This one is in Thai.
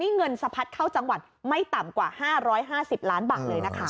เงินสะพัดเข้าจังหวัดไม่ต่ำกว่า๕๕๐ล้านบาทเลยนะคะ